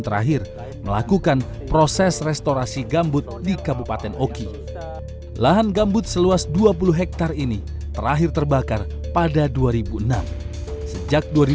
terakhir melakukan proses restorasi gambut di kabupaten oki lahan gambut seluas dua puluh hektar ini terakhir terbakar dan dikuburkan dengan perusahaan yang berbeda